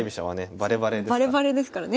バレバレですからね。